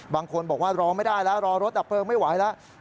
บางคนบอกว่ารอไม่ได้แล้วรอรถดับเพลิงไม่ไหวแล้ว